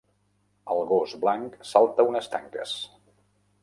El gos blanc salta unes tanques.